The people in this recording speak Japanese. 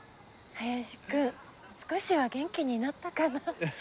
林くん少しは元気になったかな？